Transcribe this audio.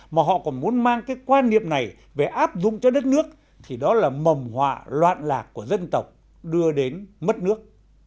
mà họ còn muốn mang cái quan niệm này về áp dụng cho đất nước thì đó là mầm họa loạn lạc của dân tộc đưa đến mất nước